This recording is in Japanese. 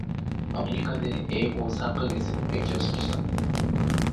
アメリカで英語を三か月勉強しました。